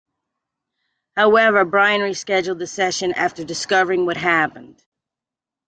However, Brian rescheduled the session after discovering what happened.